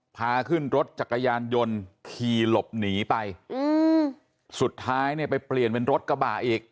พาขึ้นรถจักรยานยนต์ขี่หลบหนีไปอืมสุดท้ายเนี่ยไปเปลี่ยนเป็นรถกระบะอีก